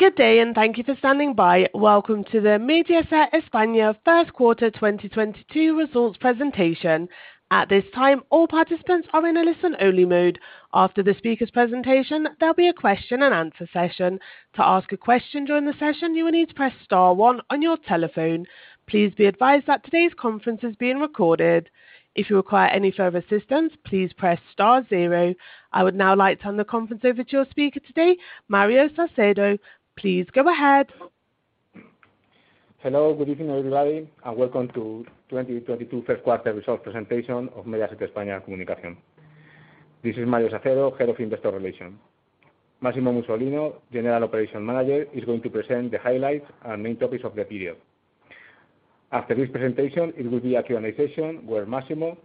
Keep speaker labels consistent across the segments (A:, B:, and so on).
A: Good day, thank you for standing by. Welcome to the Mediaset España Q1 2022 results presentation. At this time, all participants are in a listen-only mode. After the speaker's presentation, there'll be a question and answer session. To ask a question during the session, you will need to press star one on your telephone. Please be advised that today's conference is being recorded. If you require any further assistance, please press star zero. I would now like to turn the conference over to your speaker today, Mario Sacedo. Please go ahead.
B: Hello, good evening, everybody, and welcome to 2022 Q1 results presentation of Mediaset España Comunicación. This is Mario Sacedo, Head of Investor Relations. Massimo Musolino, General Operation Manager, is going to present the highlights and main topics of the period. After this presentation, it will be a Q&A session where Massimo,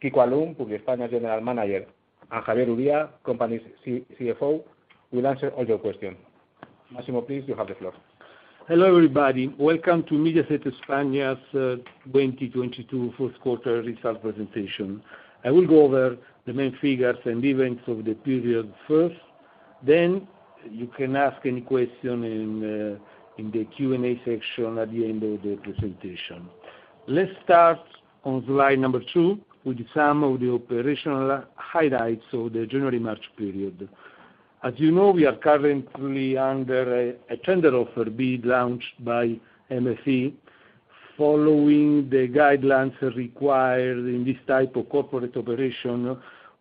B: Quico Alum, Publiespaña General Manager, and Javier Uría, company's CFO, will answer all your questions. Massimo, please, you have the floor.
C: Hello, everybody. Welcome to Mediaset España's 2022 Q1 result presentation. I will go over the main figures and events of the period first, then you can ask any question in the Q&A section at the end of the presentation. Let's start on slide number two with some of the operational highlights of the January-March period. As you know, we are currently under a tender offer bid launched by MFE-MediaForEurope. Following the guidelines required in this type of corporate operation,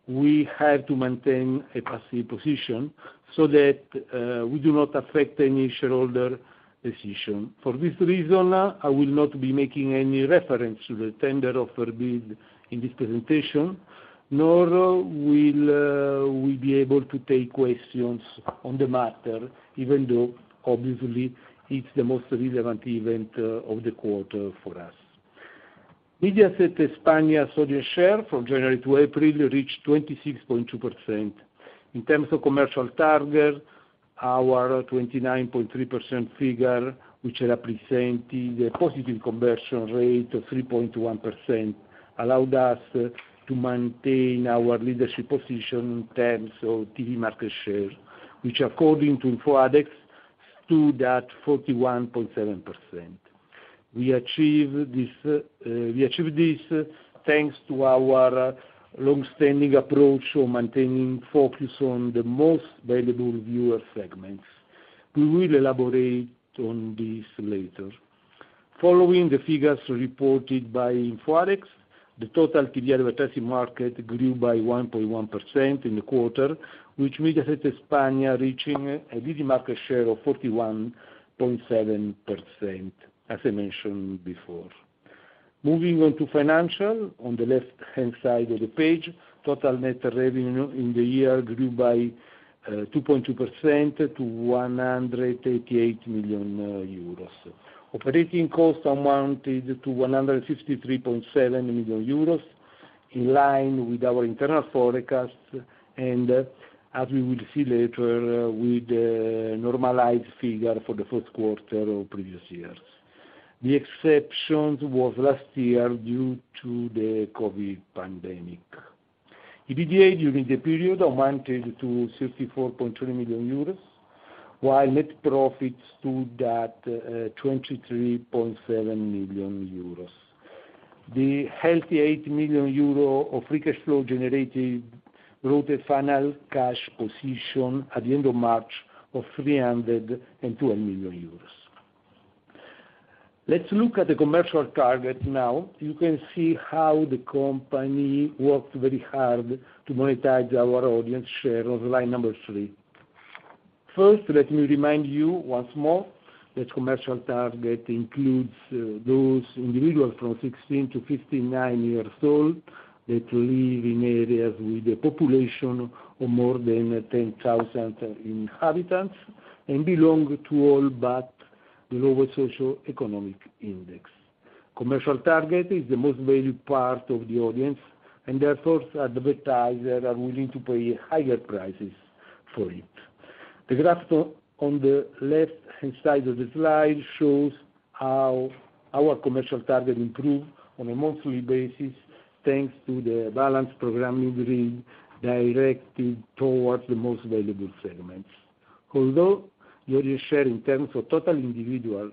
C: we have to maintain a passive position so that we do not affect any shareholder decision. For this reason, I will not be making any reference to the tender offer bid in this presentation, nor will we be able to take questions on the matter, even though obviously it's the most relevant event of the quarter for us. Mediaset España audience share from January-April reached 26.2%. In terms of commercial target, our 29.3% figure, which represented a positive conversion rate of 3.1%, allowed us to maintain our leadership position in terms of TV market share, which according to InfoAdex stood at 41.7%. We achieved this thanks to our longstanding approach of maintaining focus on the most valuable viewer segments. We will elaborate on this later. Following the figures reported by InfoAdex, the total TV advertising market grew by 1.1% in the quarter, which Mediaset España reaching an ad market share of 41.7%, as I mentioned before. Moving on to financial, on the left-hand side of the page, total net revenue in the year grew by 2.2% to 188 million euros. Operating costs amounted to 153.7 million euros, in line with our internal forecast, and as we will see later, with the normalized figure for the Q1 of previous years. The exceptions was last year due to the COVID pandemic. EBITDA during the period amounted to 64.3 million euros, while net profits stood at 23.7 million euros. The healthy 8 million euro of free cash flow generated brought a final cash position at the end of March of 312 million euros. Let's look at the commercial target now. You can see how the company worked very hard to monetize our audience share on line number three. First, let me remind you once more that commercial target includes those individuals from 16-59 years old that live in areas with a population of more than 10,000 inhabitants and belong to all but the lowest socioeconomic index. Commercial target is the most valued part of the audience, and therefore, advertisers are willing to pay higher prices for it. The graph on the left-hand side of the slide shows how our commercial target improved on a monthly basis, thanks to the balanced programming grid directed towards the most valuable segments. Although the audience share in terms of total individual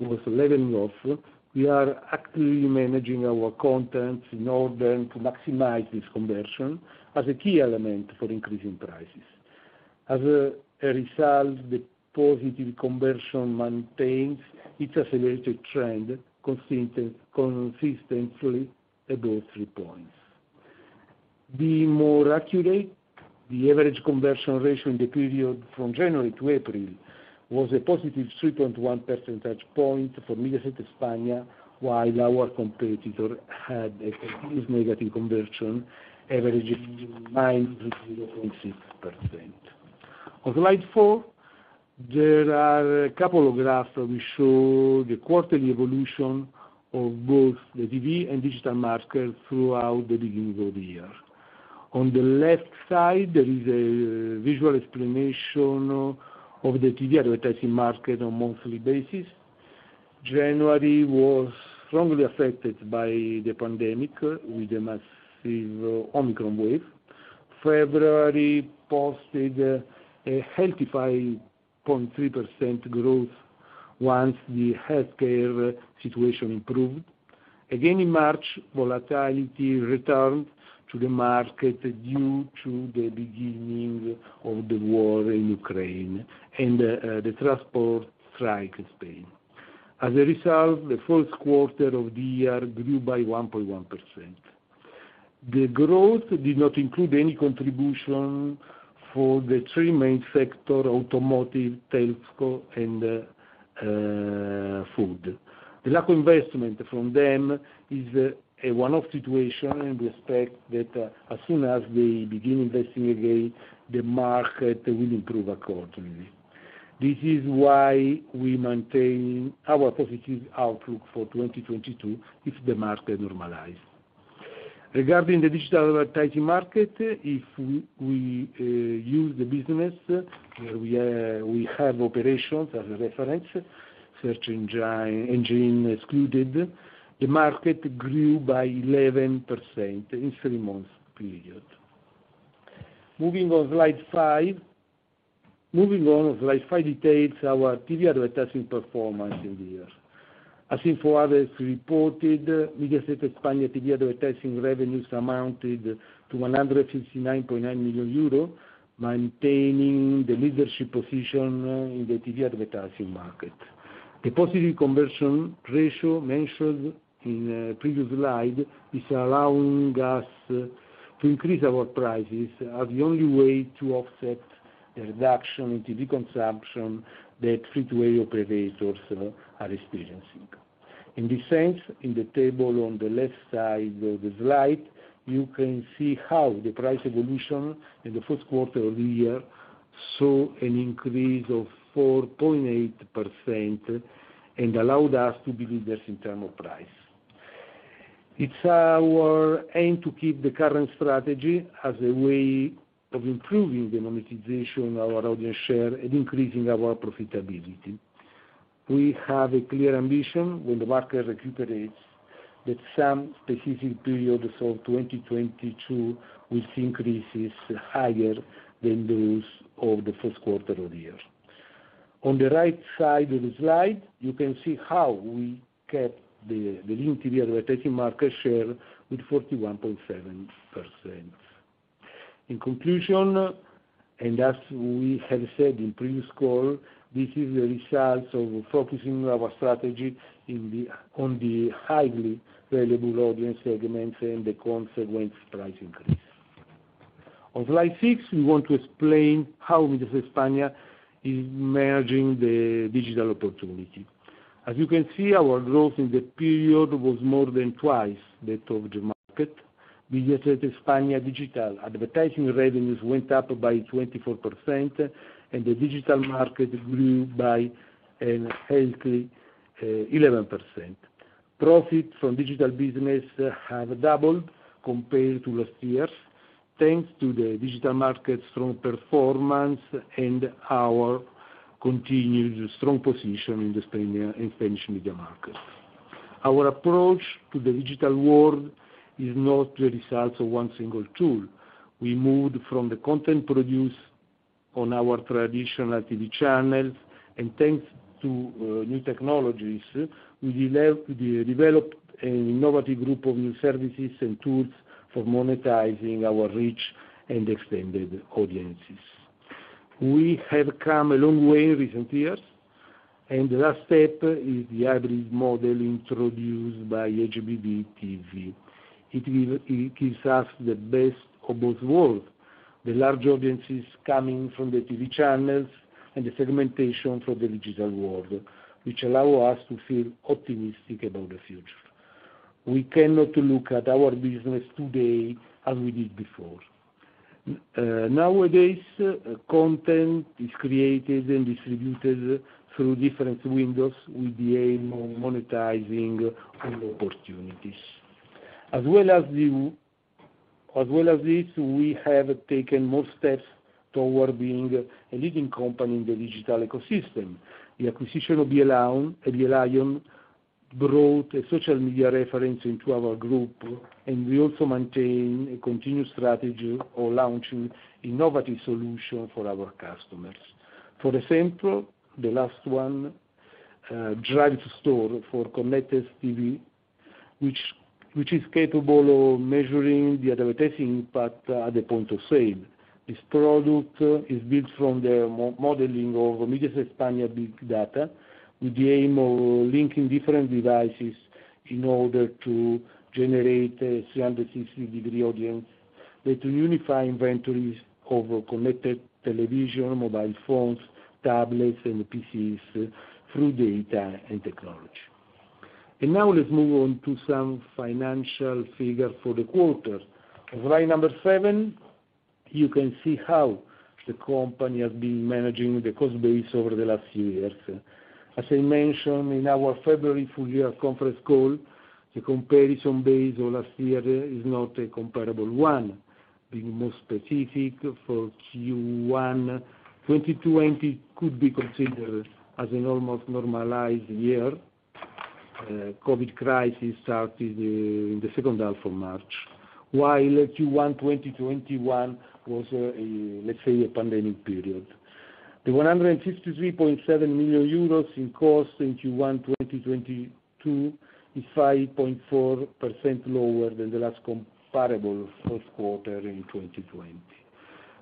C: was leveling off, we are actively managing our content in order to maximize this conversion as a key element for increasing prices. As a result, the positive conversion maintains its accelerated trend consistently above three points. Being more accurate, the average conversion ratio in the period from January-April was a +3.1 percentage point for Mediaset España, while our competitor had a negative conversion averaging 9.6%. On slide four, there are a couple of graphs that we show the quarterly evolution of both the TV and digital market throughout the beginning of the year. On the left side, there is a visual explanation of the TV advertising market on monthly basis. January was strongly affected by the pandemic with a massive Omicron wave. February posted a healthy 5.3% growth once the healthcare situation improved. Again, in March, volatility returned to the market due to the beginning of the war in Ukraine and the transport strike in Spain. As a result, the Q1 of the year grew by 1.1%. The growth did not include any contribution for the three main sector, automotive, telco and food. The lack of investment from them is a one-off situation, and we expect that, as soon as they begin investing again, the market will improve accordingly. This is why we maintain our positive outlook for 2022 if the market normalize. Regarding the digital advertising market, if we use the business where we have operations as a reference, search engine excluded, the market grew by 11% in three-month period. Moving on slide five. Moving on, slide five details our TV advertising performance in the year. As InfoAdex has reported, Mediaset España TV advertising revenues amounted to 159.9 million euro, maintaining the leadership position in the TV advertising market. The positive conversion ratio mentioned in a previous slide is allowing us to increase our prices as the only way to offset the reduction in TV consumption that free-to-air operators are experiencing. In this sense, in the table on the left side of the slide, you can see how the price evolution in the Q1 of the year saw an increase of 4.8% and allowed us to be leaders in terms of price. It's our aim to keep the current strategy as a way of improving the monetization of our audience share and increasing our profitability. We have a clear ambition when the market recuperates that some specific periods of 2022 will see increases higher than those of the Q1 of the year. On the right side of the slide, you can see how we kept the linear TV advertising market share with 41.7%. In conclusion, as we have said in previous call, this is the results of focusing our strategy on the highly valuable audience segments and the consequent price increase. On slide six, we want to explain how Mediaset España is managing the digital opportunity. As you can see, our growth in the period was more than twice that of the market. Mediaset España digital advertising revenues went up by 24%, and the digital market grew by a healthy 11%. Profit from digital business have doubled compared to last year, thanks to the digital market strong performance and our continued strong position in Spain, in the Spanish media market. Our approach to the digital world is not the results of one single tool. We moved from the content produced on our traditional TV channels, and thanks to new technologies, we developed an innovative group of new services and tools for monetizing our reach and extended audiences. We have come a long way in recent years, and the last step is the hybrid model introduced by HBBTV. It gives us the best of both world, the large audiences coming from the TV channels and the segmentation from the digital world, which allow us to feel optimistic about the future. We cannot look at our business today as we did before. Nowadays, content is created and distributed through different windows with the aim of monetizing all opportunities. As well as this, we have taken more steps toward being a leading company in the digital ecosystem. The acquisition of Be a Lion brought a social media reference into our group, and we also maintain a continued strategy of launching innovative solution for our customers. For example, the last one, Drive to Store for connected TV, which is capable of measuring the advertising impact at the point of sale. This product is built from the modeling of Mediaset España big data with the aim of linking different devices in order to generate a 360-degree audience that will unify inventories over connected television, mobile phones, tablets, and PCs through data and technology. Now let's move on to some financial figures for the quarter. Slide number seven, you can see how the company has been managing the cost base over the last few years. As I mentioned in our February full year conference call, the comparison base of last year is not a comparable one. Being more specific for Q1 2020 could be considered as an almost normalized year. COVID crisis started in the second half of March, while Q1 2021 was a, let's say, a pandemic period. The 153.7 million euros in cost in Q1 2022 is 5.4% lower than the last comparable Q1 in 2020.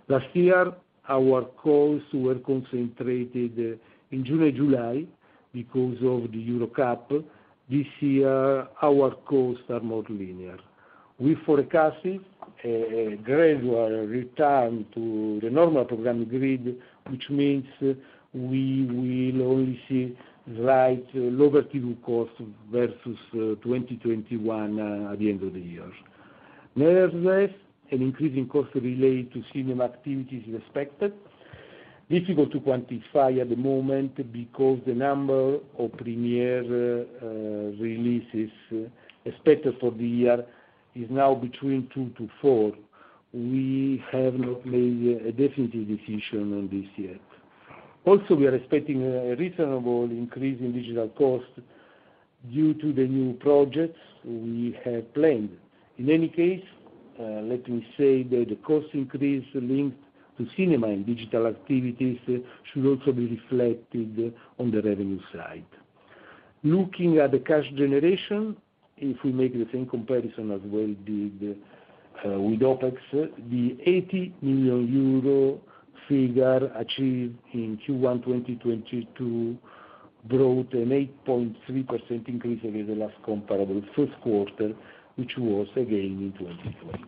C: Last year, our costs were concentrated in June and July because of the Euro Cup. This year, our costs are more linear. We forecasted a gradual return to the normal program grid, which means we will only see slight lower TV costs versus 2021 at the end of the year. Nevertheless, an increasing cost related to cinema activities is expected. Difficult to quantify at the moment because the number of premiere releases expected for the year is now between two to four. We have not made a definitive decision on this yet. Also, we are expecting a reasonable increase in digital costs due to the new projects we have planned. In any case, let me say that the cost increase linked to cinema and digital activities should also be reflected on the revenue side. Looking at the cash generation, if we make the same comparison as we did with OpEx, the 80 million euro figure achieved in Q1 2022 brought an 8.3% increase over the last comparable Q1, which was again in 2020.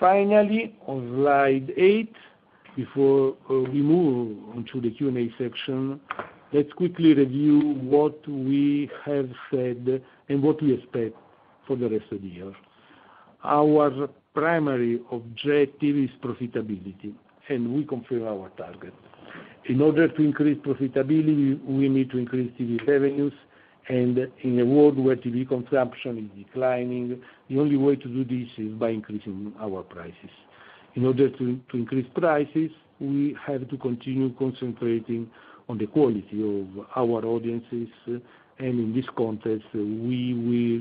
C: Finally, on slide eight, before we move on to the Q&A section, let's quickly review what we have said and what we expect for the rest of the year. Our primary objective is profitability, and we confirm our target. In order to increase profitability, we need to increase TV revenues, and in a world where TV consumption is declining, the only way to do this is by increasing our prices. In order to increase prices, we have to continue concentrating on the quality of our audiences, and in this context, we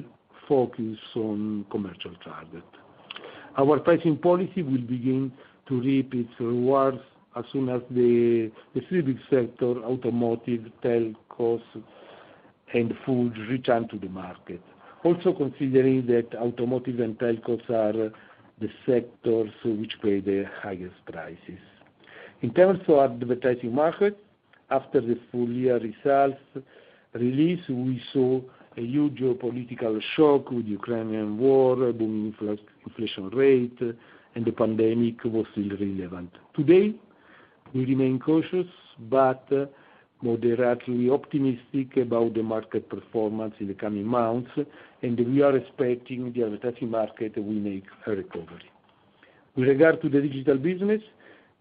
C: will focus on commercial target. Our pricing policy will begin to reap its rewards as soon as the three big sector, automotive, telcos and food return to the market. Also considering that automotive and telcos are the sectors which pay the highest prices. In terms of advertising market, after the full year results release, we saw a huge geopolitical shock with Ukrainian war, booming inflation rate, and the pandemic was still relevant. Today, we remain cautious but moderately optimistic about the market performance in the coming months, and we are expecting the advertising market will make a recovery. With regard to the digital business,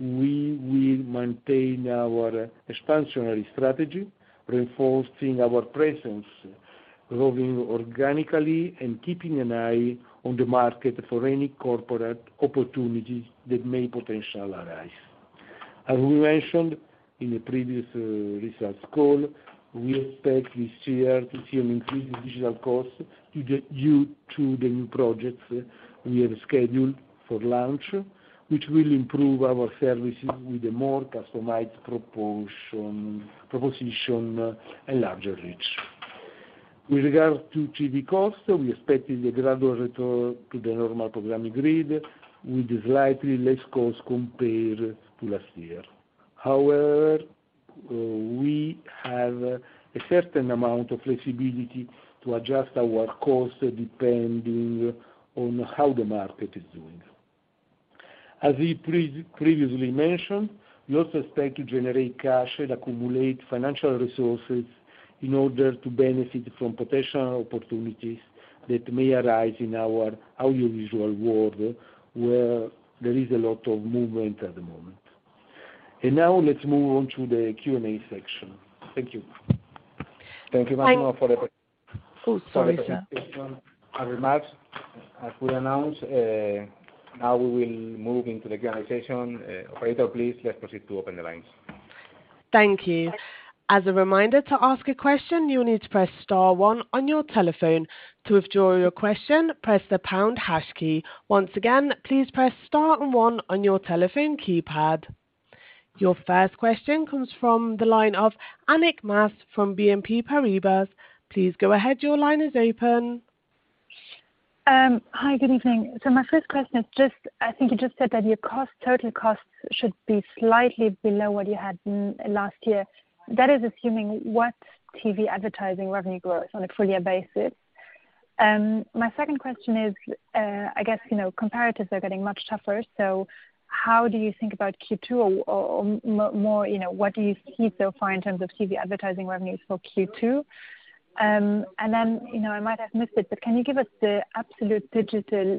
C: we will maintain our expansionary strategy, reinforcing our presence, growing organically and keeping an eye on the market for any corporate opportunities that may potentially arise. As we mentioned in a previous results call, we expect this year to see an increase in digital costs due to the new projects we have scheduled for launch, which will improve our services with a more customized proposition and larger reach. With regard to TV costs, we expect a gradual return to the normal programming grid with slightly less cost compared to last year. However, we have a certain amount of flexibility to adjust our costs depending on how the market is doing. As we previously mentioned, we also expect to generate cash and accumulate financial resources in order to benefit from potential opportunities that may arise in our audiovisual world, where there is a lot of movement at the moment. Now let's move on to the Q&A section. Thank you.
B: Thank you, Massimo.
A: Thanks. Oh, sorry sir.
B: For the presentation and remarks. As we announced, now we will move into the Q&A session. Operator, please, let's proceed to open the lines.
A: Thank you. As a reminder, to ask a question, you'll need to press star one on your telephone. To withdraw your question, press the pound hash key. Once again, please press star one on your telephone keypad. Your first question comes from the line of Annick Maas from BNP Paribas. Please go ahead. Your line is open.
D: Hi, good evening. My first question is just, I think you just said that your cost, total costs should be slightly below what you had in last year. That is assuming what TV advertising revenue growth on a full year basis? My second question is, I guess, you know, comparatives are getting much tougher, so how do you think about Q2 or more, you know, what do you see so far in terms of TV advertising revenues for Q2? Then, you know, I might have missed it, but can you give us the absolute digital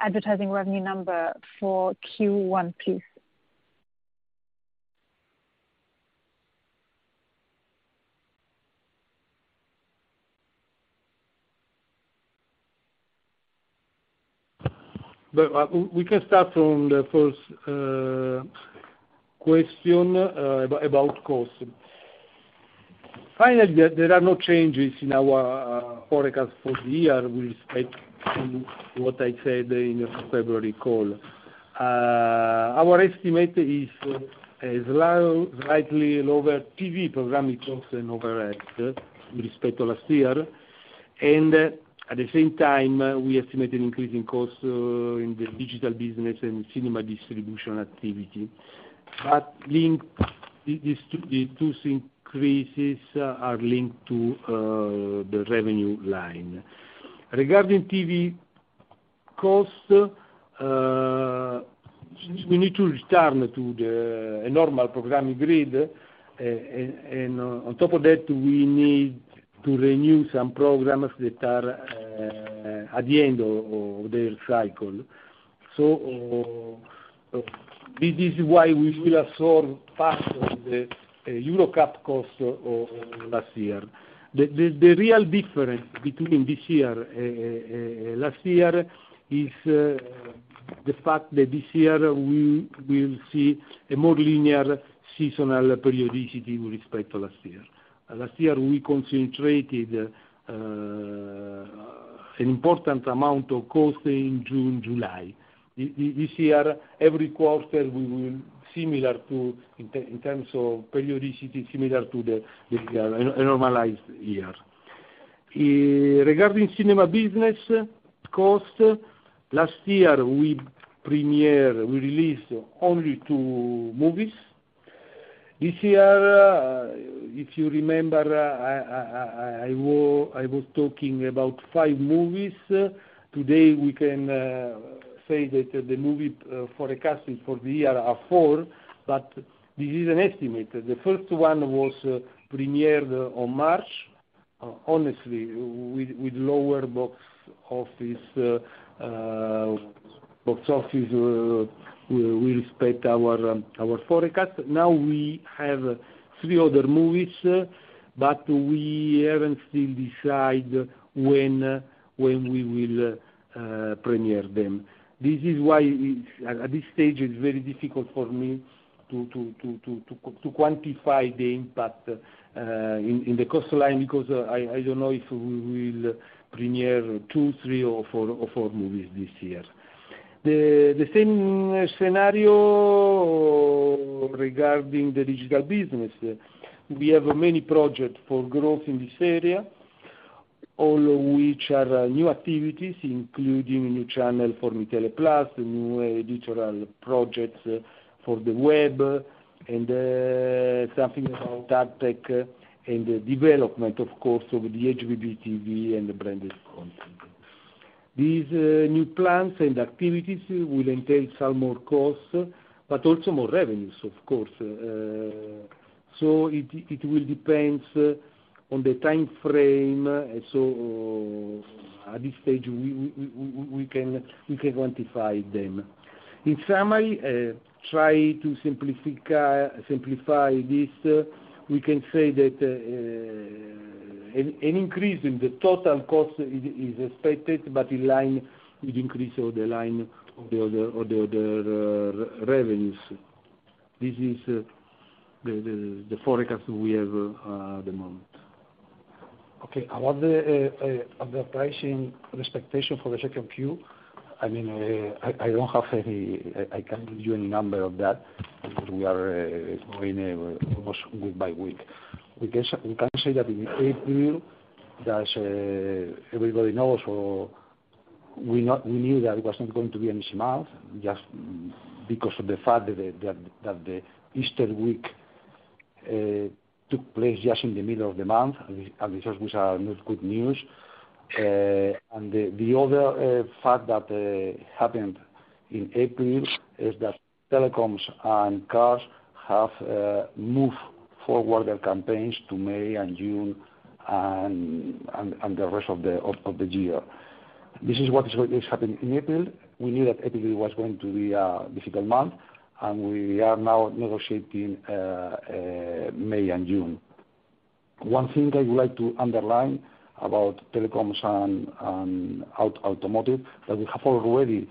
D: advertising revenue number for Q1, please?
C: We can start from the first question about cost. Finally, there are no changes in our forecast for the year with respect to what I said in the February call. Our estimate is slightly lower TV programming costs than over at, with respect to last year. At the same time, we estimate an increase in costs in the digital business and cinema distribution activity. These two increases are linked to the revenue line. Regarding TV costs, we need to return to the normal programming grid. On top of that, we need to renew some programs that are at the end of their cycle. This is why we will absorb faster the Euro Cup cost of last year. The real difference between this year and last year is the fact that this year we will see a more linear seasonal periodicity with respect to last year. Last year, we concentrated an important amount of cost in June, July. This year, every quarter we will similar to in terms of periodicity, similar to the normalized year. Regarding cinema business cost, last year, we released only two movies. This year, if you remember, I was talking about five movies. Today, we can say that the movie forecast for the year are four, but this is an estimate. The first one was premiered on March. Honestly, with lower box office with respect to our forecast. Now we have three other movies, but we haven't still decide when we will premiere them. This is why at this stage, it's very difficult for me to quantify the impact in the cost line, because I don't know if we will premiere two, three or four movies this year. The same scenario regarding the digital business. We have many projects for growth in this area, all which are new activities, including new channel for Mitele Plus, new digital projects for the web, and something about AdTech and the development, of course, of the HBBTV and the branded content. These new plans and activities will entail some more costs, but also more revenues, of course. It will depends on the timeframe. At this stage, we can quantify them. In summary, try to simplify this, we can say that an increase in the total cost is expected, but in line with increase of the other revenues. This is the forecast we have at the moment. Okay. About the pricing expectation for the second Q, I mean, I don't have any. I can't give you any number of that because we are going almost week by week. We can say that in April, everybody knows, we knew that it was not going to be an easy month, just because of the fact that the Easter week took place just in the middle of the month. This was not good news. The other fact that happened in April is that telecoms and cars have moved forward their campaigns to May and June and the rest of the year. This is what is happening in April. We knew that April was going to be a difficult month, and we are now negotiating May and June. One thing I would like to underline about telecoms and automotive, that we have already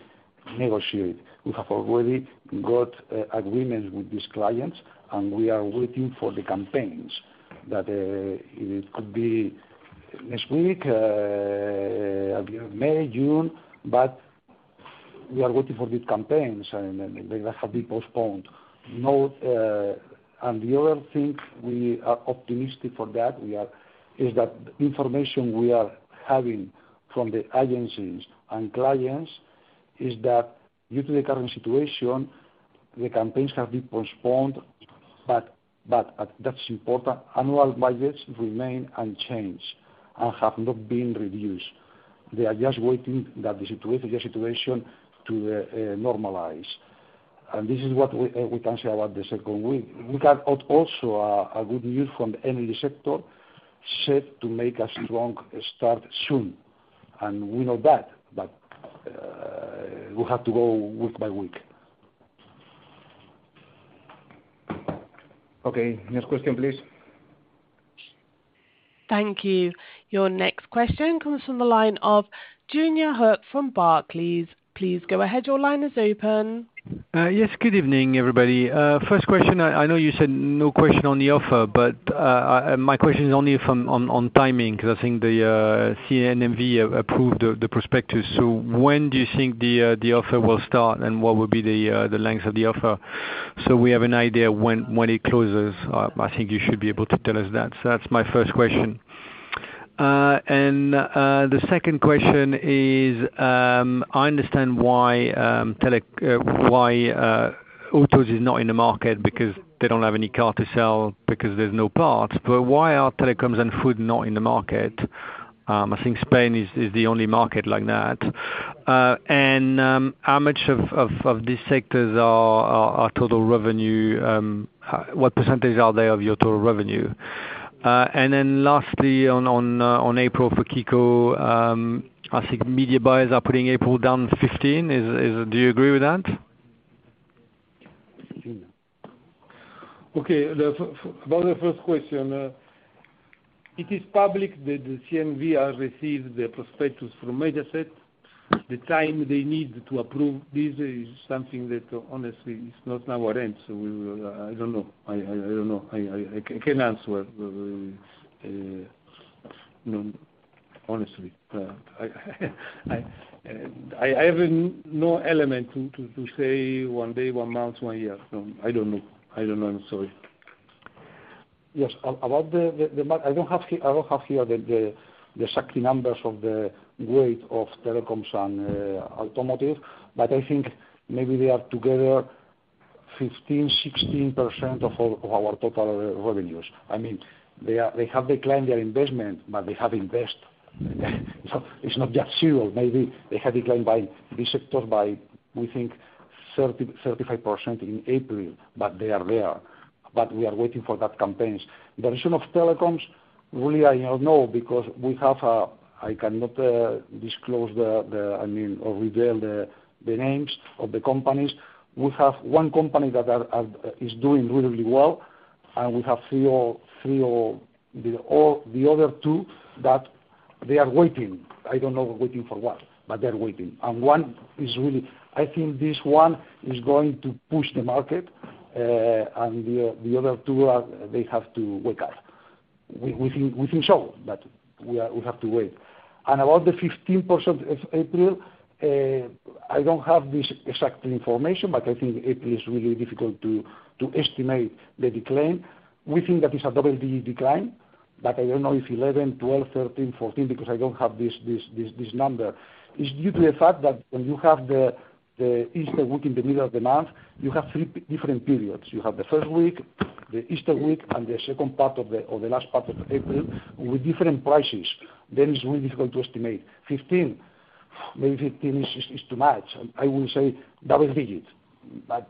C: negotiated. We have already got agreements with these clients, and we are waiting for the campaigns that it could be next week at the end of May, June, but we are waiting for these campaigns, and they have been postponed. The other thing we are optimistic about is the information we are having from the agencies and clients that due to the current situation, the campaigns have been postponed. That's important, annual budgets remain unchanged and have not been reduced. They are just waiting for the situation to normalize. This is what we can say about the second wind. We got also a good news from the energy sector, set to make a strong start soon. We know that, but we have to go week by week.
B: Okay. Next question, please.
A: Thank you. Your next question comes from the line of Julien Roch from Barclays. Please go ahead. Your line is open.
E: Yes. Good evening, everybody. First question. I know you said no question on the offer, but my question is only on timing because I think the CNMV approved the prospectus. When do you think the offer will start, and what will be the length of the offer? We have an idea when it closes. I think you should be able to tell us that. That's my first question. The second question is, I understand why autos is not in the market because they don't have any car to sell because there's no parts. Why are telecoms and food not in the market? I think Spain is the only market like that. How much of these sectors are total revenue? What percentage are they of your total revenue? Lastly on Abril for Quico, I think media buyers are putting April down 15%. Do you agree with that?
C: Okay. The first question, it is public that the CNMV have received the prospectus from Mediaset. The time they need to approve this is something that honestly is not in our hands. I don't know. I don't know. I can't answer. No, honestly, I have no element to say one day, one month, one year. I don't know. I don't know. I'm sorry.
F: Yes. I don't have here the exact numbers of the weight of telecoms and automotive, but I think maybe they are together 15%-16% of our total revenues. I mean, they have declined their investment, but they have invest. It's not just zero. Maybe they have declined by this sector by, we think, 30%-35% in April, but they are there. We are waiting for that campaigns. Regarding telecoms, really, I don't know because we have. I cannot disclose, I mean, or reveal the names of the companies. We have one company that are is doing really well, and we have three, or the other two that they are waiting. I don't know waiting for what, but they're waiting. One is really. I think this one is going to push the market, and the other two are. They have to wake up. We think so, but we have to wait. About the 15% of April, I don't have this exact information, but I think April is really difficult to estimate the decline. We think that it's a double decline, but I don't know if 11, 12, 13, 14 because I don't have this number. It's due to the fact that when you have the Easter week in the middle of the month, you have three different periods. You have the first week, the Easter week, and the last part of April with different prices. It's really difficult to estimate. 15, maybe 15 is too much. I will say double digits, but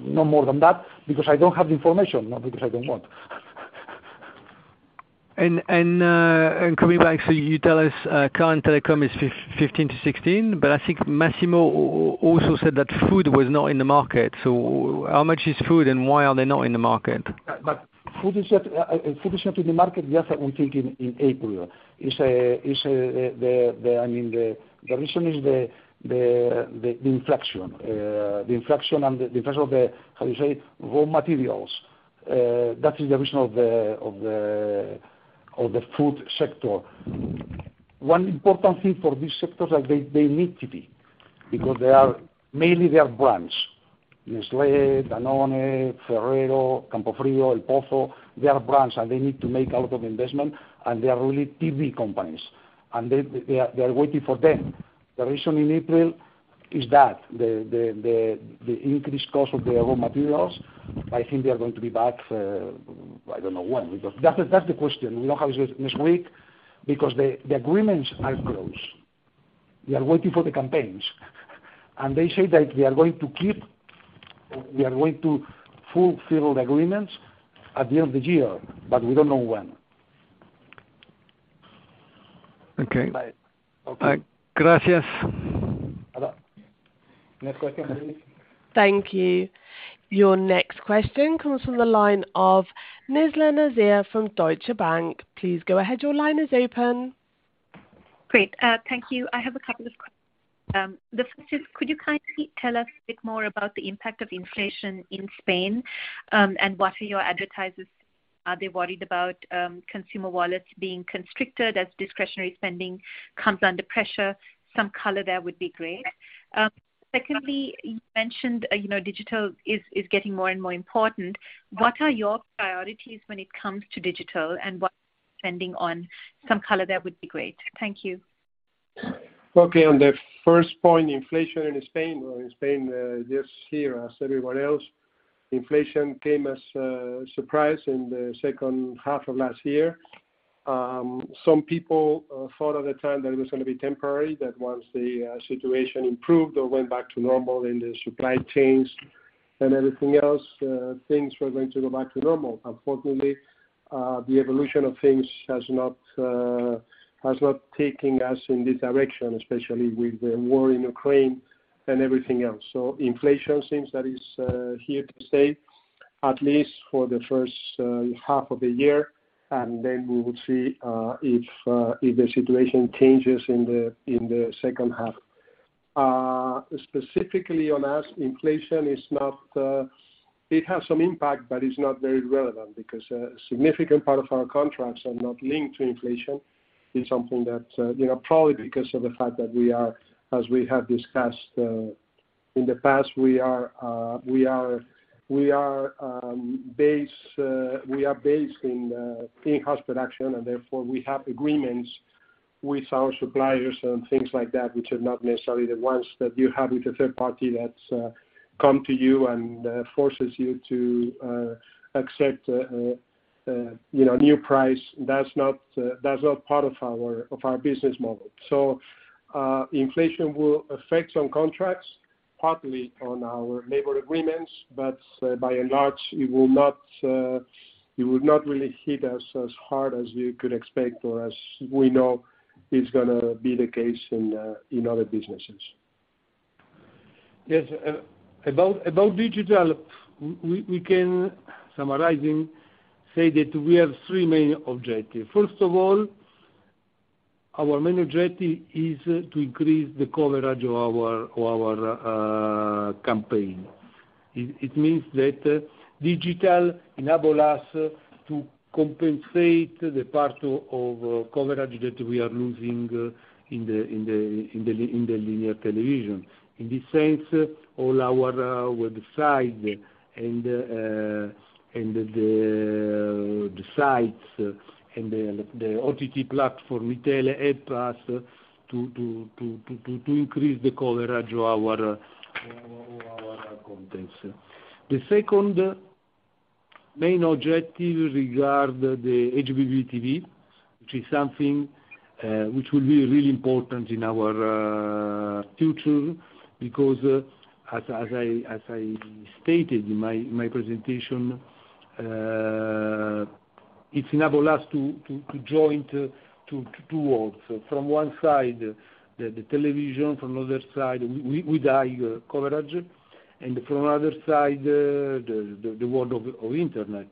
F: no more than that because I don't have the information, not because I don't want.
E: Coming back, so you tell us, current telecom is 15-16, but I think Massimo also said that food was not in the market. How much is food, and why are they not in the market?
F: Food is not in the market, yes, I would think in April. It's the, I mean, the reason is the inflation. The inflation and the inflation of the, how you say, raw materials. That is the reason of the food sector. One important thing for these sectors is they need to be because they are mainly brands. Nestlé, Danone, Ferrero, Campofrío, ElPozo, they are brands, and they need to make a lot of investment, and they are really TV companies. They are waiting for them. The reason in April is that the increased cost of the raw materials, I think they are going to be back, I don't know when because that's the question. We don't have next week because the agreements are closed. We are waiting for the campaigns. They say that we are going to fulfill the agreements at the end of the year, but we don't know when.
E: Okay.
F: Bye.
E: Gracias.
B: Next question, please.
A: Thank you. Your next question comes from the line of Nizla Naizer from Deutsche Bank. Please go ahead. Your line is open.
G: Great. Thank you. I have a couple of questions. The first is, could you kindly tell us a bit more about the impact of inflation in Spain, and what are your advertisers, are they worried about, consumer wallets being constricted as discretionary spending comes under pressure? Some color there would be great. Secondly, you mentioned, you know, digital is getting more and more important. What are your priorities when it comes to digital, and what spending on? Some color there would be great. Thank you.
C: Okay. On the first point, inflation in Spain. Well, in Spain, this year as everyone else, inflation came as a surprise in the second half of last year. Some people thought at the time that it was gonna be temporary, that once the situation improved or went back to normal in the supply chains and everything else, things were going to go back to normal. Unfortunately, the evolution of things has not taken us in this direction, especially with the war in Ukraine and everything else. Inflation seems that it is here to stay at least for the first half of the year, and then we will see if the situation changes in the second half. Specifically on us, inflation is not.
B: It has some impact, but it's not very relevant because a significant part of our contracts are not linked to inflation. It's something that, you know, probably because of the fact that we are, as we have discussed in the past, we are based in in-house production, and therefore we have agreements with our suppliers and things like that, which are not necessarily the ones that you have with a third party that come to you and forces you to accept, you know, a new price. That's not part of our business model. Inflation will affect some contracts, partly on our labor agreements, but by and large, it will not really hit us as hard as you could expect or as we know it's gonna be the case in other businesses.
C: Yes. About digital, we can, summarizing, say that we have three main objective. First of all, our main objective is to increase the coverage of our campaign. It means that digital enable us to compensate the part of coverage that we are losing in the linear television. In this sense, all our website and the sites and the OTT platform, Mitele, help us to increase the coverage of our contents. The second main objective regard the HBBTV, which is something which will be really important in our future because as I stated in my presentation, it enable us to join to two worlds. From one side, the television, from the other side, wide coverage, and from other side, the world of internet.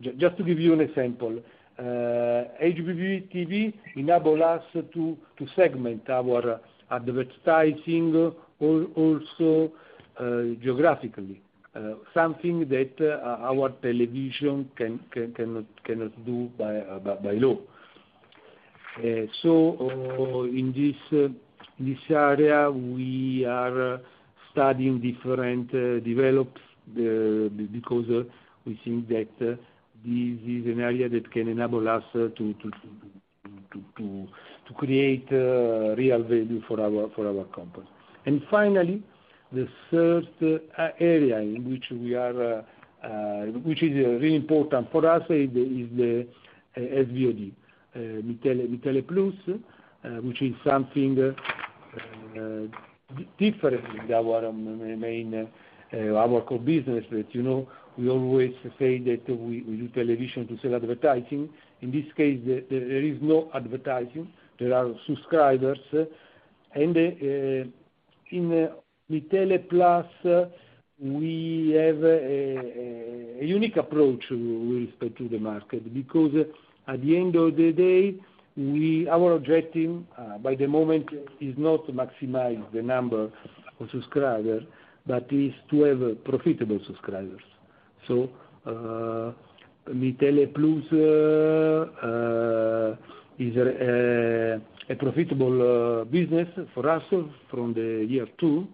C: Just to give you an example, HBBTV enable us to segment our advertising also geographically, something that our television cannot do by law. So, in this area, we are studying different developments because we think that this is an area that can enable us to create real value for our company. Finally, the third area in which we are, which is really important for us is the SVOD, Mitele Plus, which is something different than our main, our core business. You know, we always say that we do television to sell advertising. In this case, there is no advertising. There are subscribers. In Mitele Plus, we have a unique approach with respect to the market because at the end of the day, our objective at the moment is not maximize the number of subscribers, but is to have profitable subscribers. Mitele Plus is a profitable business for us from year two.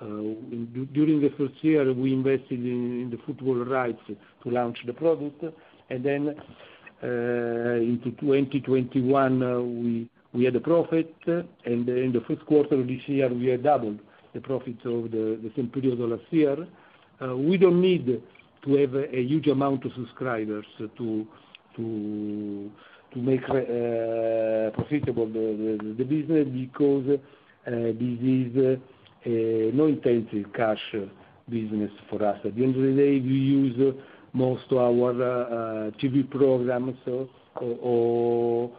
C: During the first year, we invested in the football rights to launch the product. Then, into 2021, we had a profit. In the Q1 of this year, we had doubled the profit over the same period of last year. We don't need to have a huge amount of subscribers to make profitable the business because this is a low cash-intensive business for us. At the end of the day, we use most our TV programs or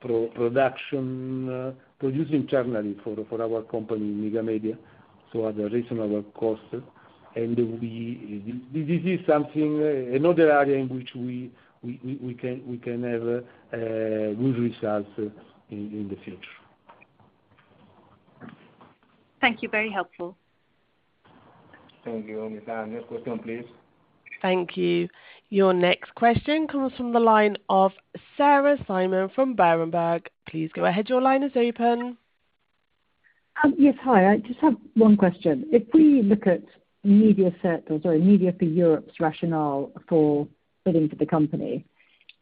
C: production produced internally for our company in Megamedia, so at a reasonable cost. This is something, another area in which we can have good results in the future.
G: Thank you. Very helpful.
C: Thank you, Nizla Naizer. Next question, please.
A: Thank you. Your next question comes from the line of Sarah Simon from Berenberg. Please go ahead. Your line is open.
H: Yes, hi. I just have one question. If we look at MFE-MediaForEurope's rationale for bidding for the company,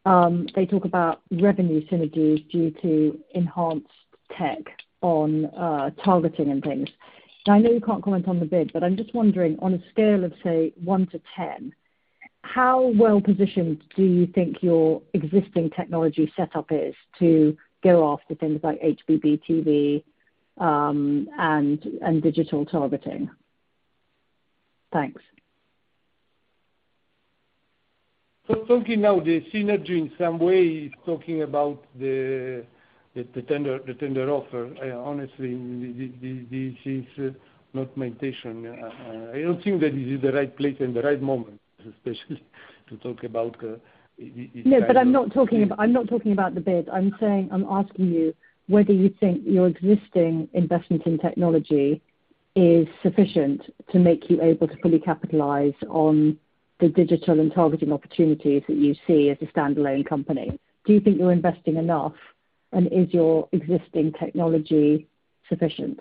H: they talk about revenue synergies due to enhanced tech on targeting and things. Now, I know you can't comment on the bid, but I'm just wondering, on a scale of, say, one to 10, how well-positioned do you think your existing technology setup is to go after things like HBBTV and digital targeting? Thanks.
C: Talking about the synergy in some way, talking about the tender offer. Honestly, this is not my intention. I don't think that this is the right place and the right moment, especially to talk about it.
H: No, but I'm not talking about the bid. I'm saying I'm asking you whether you think your existing investment in technology is sufficient to make you able to fully capitalize on the digital and targeting opportunities that you see as a standalone company. Do you think you're investing enough, and is your existing technology sufficient?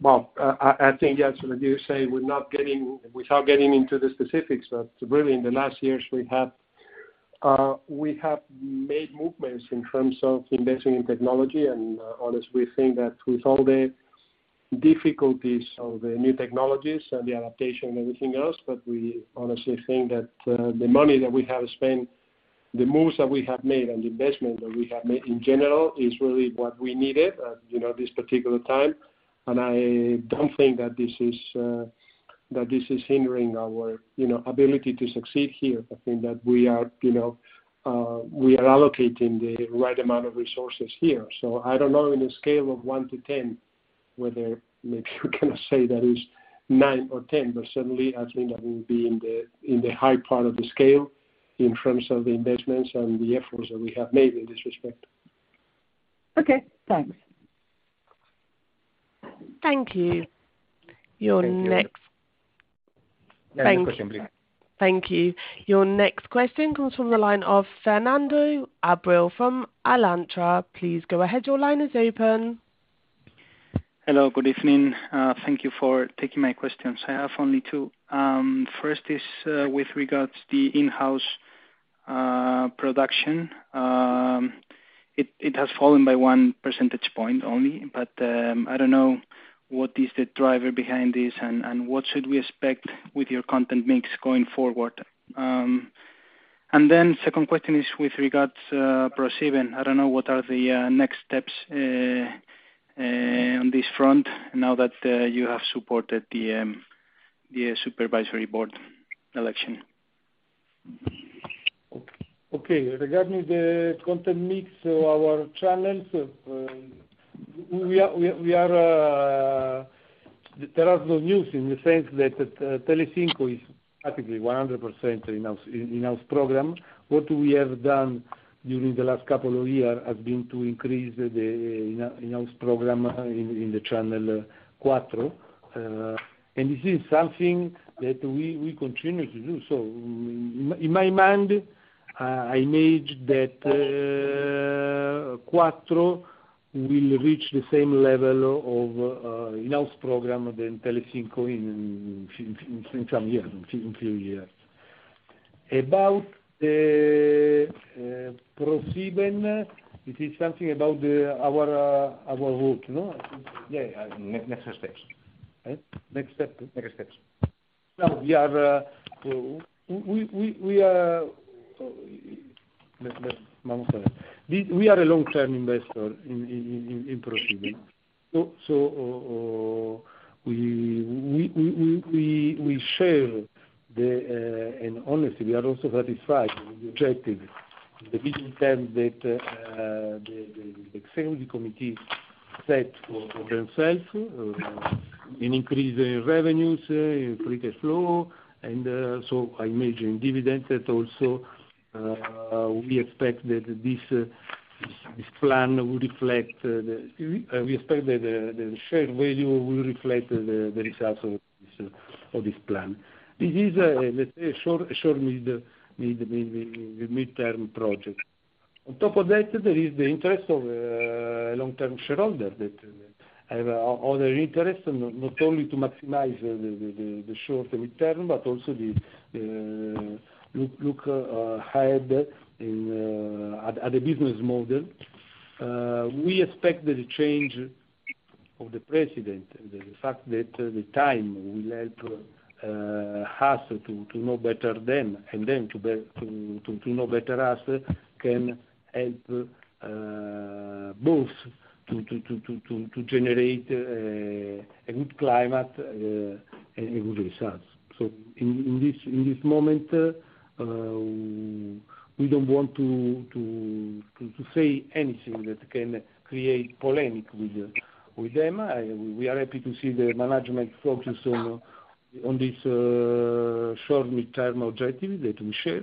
C: Well, I think, yes, as you say, without getting into the specifics, but really in the last years, we have made movements in terms of investing in technology. Honestly, we think that with all the difficulties of the new technologies and the adaptation and everything else, but we honestly think that the money that we have spent, the moves that we have made, and the investment that we have made in general is really what we needed at, you know, this particular time. I don't think that this is hindering our, you know, ability to succeed here. I think that we are, you know, we are allocating the right amount of resources here. I don't know, in a scale of one to ten, whether maybe we cannot say that it's nine or ten, but certainly I think that we'll be in the high part of the scale in terms of the investments and the efforts that we have made in this respect.
H: Okay, thanks.
A: Thank you.
C: Thank you.
A: Thank you.
C: Next question, please.
A: Thank you. Your next question comes from the line of Fernando Abril from Alantra. Please go ahead. Your line is open.
I: Hello, good evening. Thank you for taking my questions. I have only two. First is, with regards to the in-house production. It has fallen by 1 percentage point only, but I don't know what is the driver behind this and what should we expect with your content mix going forward. Second question is with regards to ProSieben. I don't know what are the next steps on this front now that you have supported the supervisory board election.
C: Okay. Regarding the content mix, our channels, we are there are no news in the sense that, Telecinco is practically 100% in-house program. What we have done during the last couple of years has been to increase the in-house program in the channel Cuatro. This is something that we continue to do. In my mind, I made that, Cuatro will reach the same level of in-house program than Telecinco in some years, in few years. About the ProSieben, it is something about our work, no? I think.
B: Yeah, yeah. Next steps.
C: Next steps.
B: Next steps.
C: Now, we are.
B: One second.
C: We are a long-term investor in ProSieben. We share and honestly we are also satisfied with the objective, the business terms that the executive committee set for themselves in increasing revenues, in free cash flow. I imagine dividend that also we expect that this plan will reflect the. We expect that the share value will reflect the results of this plan. This is, let's say, short mid midterm project. On top of that, there is the interest of a long-term shareholder that have other interest, not only to maximize the short and midterm, but also to look ahead at the business model. We expect that the change of the president, the fact that the time will help us to know better them and them to know better us can help both to generate a good climate and a good results. In this moment, we don't want to say anything that can create polemic with them. We are happy to see the management focused on this short midterm objective that we share.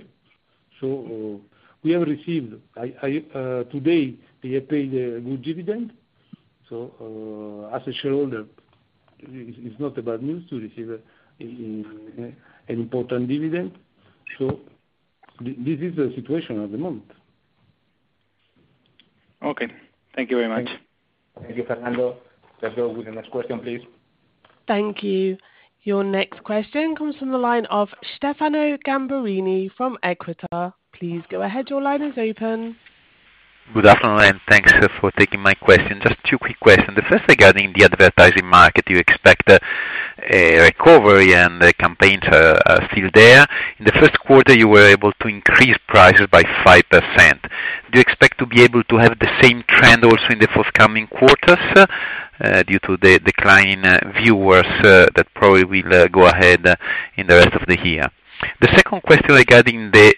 C: We have received. Today they paid a good dividend. As a shareholder, it's not a bad news to receive an important dividend. This is the situation at the moment.
I: Okay. Thank you very much.
B: Thank you, Fernando. Let's go with the next question, please.
A: Thank you. Your next question comes from the line of Stefano Gamberini from Equita. Please go ahead. Your line is open.
J: Good afternoon, and thanks for taking my question. Just two quick questions. The first regarding the advertising market. You expect a recovery and the campaigns are still there. In the Q1, you were able to increase prices by 5%. Do you expect to be able to have the same trend also in the forthcoming quarters? Due to the decline in viewers that probably will go ahead in the rest of the year. The second question regarding the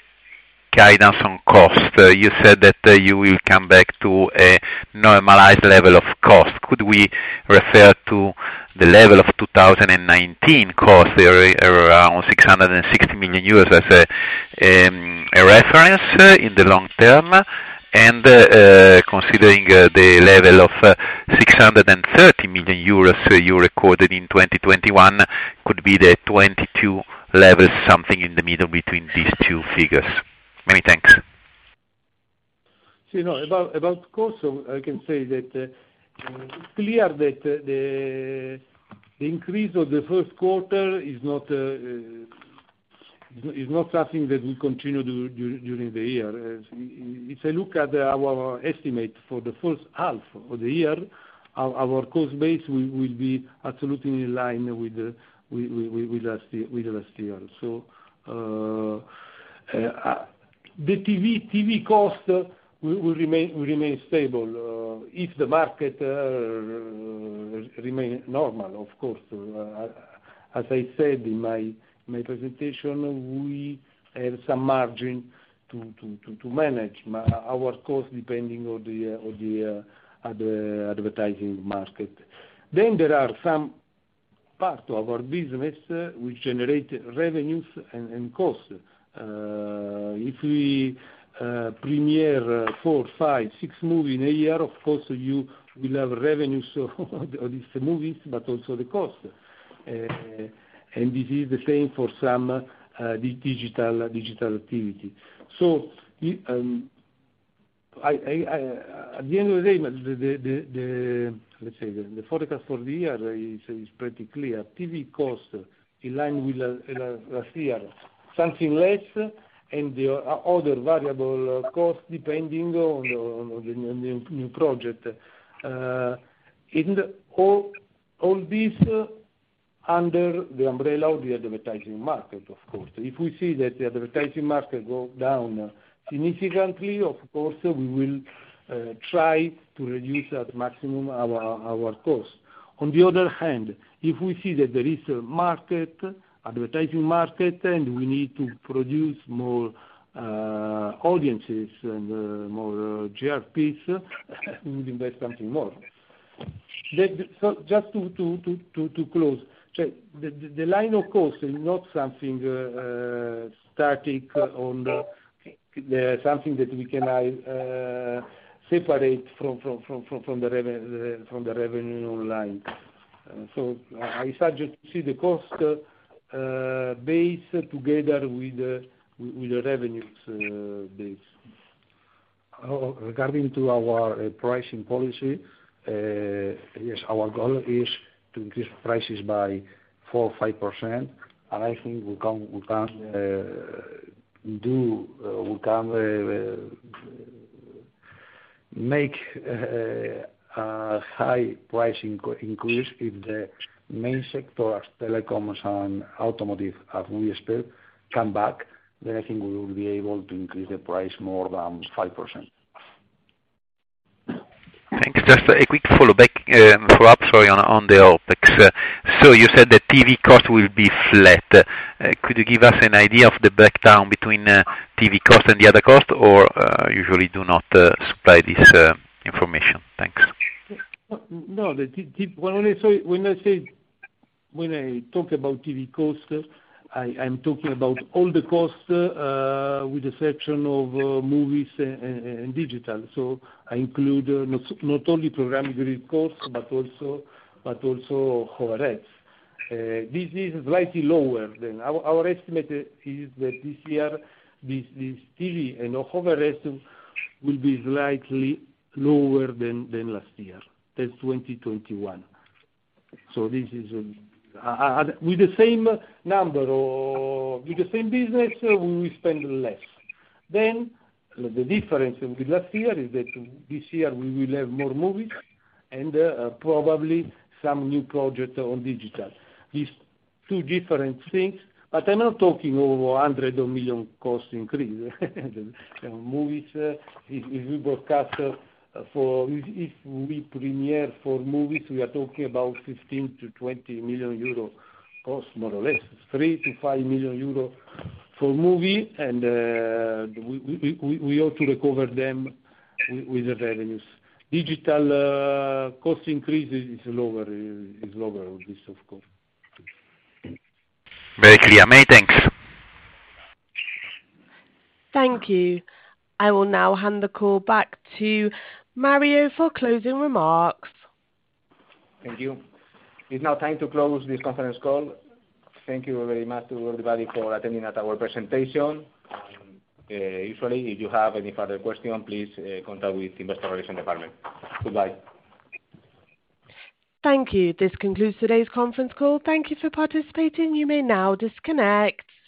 J: guidance on costs, you said that you will come back to a normalized level of costs. Could we refer to the level of 2019 costs around 660 million euros as a reference in the long term? Considering the level of 630 million euros you recorded in 2021, could the 2022 level be something in the middle between these two figures. Many thanks.
C: About cost, I can say that clearly the increase of the Q1 is not something that we continue during the year. If you look at our estimate for the first half of the year, our cost base will be absolutely in line with last year. The TV cost will remain stable if the market remain normal, of course. As I said in my presentation, we have some margin to manage our cost depending on the advertising market. There are some parts of our business which generate revenues and costs. If we premiere four, five, six movies in a year, of course, you will have revenues of these movies, but also the cost. This is the same for some digital activity. I at the end of the day, the let's say, the forecast for the year is pretty clear. TV costs in line with last year, something less, and the other variable costs depending on the new project. All this under the umbrella of the advertising market, of course. If we see that the advertising market go down significantly, of course, we will try to reduce at maximum our costs. On the other hand, if we see that there is a market, advertising market, and we need to produce more audiences and more GRPs, we would invest something more. Just to close, the line of cost is not something static. Something that we cannot separate from the revenue line. I suggest to see the cost base together with the revenues base.
F: Regarding to our pricing policy, yes, our goal is to increase prices by 4%-5%. I think we can make a high price increase if the main sectors, telecoms and automotive, as we expect, come back. Then I think we will be able to increase the price more than 5%.
J: Thanks. Just a quick follow-up on the OpEx. You said the TV cost will be flat. Could you give us an idea of the breakdown between TV cost and the other cost or usually do not supply this information? Thanks.
C: No, when I talk about TV costs, I'm talking about all the costs with the section of movies and digital. I include not only program grid costs, but also overheads. Our estimate is that this year, this TV and overheads will be slightly lower than last year, than 2021. This is, with the same number or with the same business, we will spend less. The difference with last year is that this year we will have more movies and, probably some new project on digital. These two different things. I'm not talking over 100 million cost increase. Movies, if we broadcast for. If we premiere four movies, we are talking about 15 million-20 million euro cost, more or less. 3 million- 5 million euro for movie and we ought to recover them with the revenues. Digital cost increase is lower this, of course.
J: Very clear. Many thanks.
A: Thank you. I will now hand the call back to Mario for closing remarks.
B: Thank you. It's now time to close this conference call. Thank you very much to everybody for attending at our presentation. Usually, if you have any further question, please, contact with Investor Relations department. Goodbye.
A: Thank you. This concludes today's conference call. Thank you for participating. You may now disconnect.